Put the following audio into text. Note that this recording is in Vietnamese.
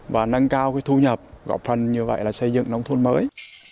và cái thu nhập gọp phần như vậy là xây dựng nông thôn mới